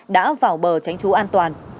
đã vào bờ tránh trú an toàn